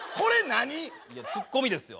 ツッコミですよ。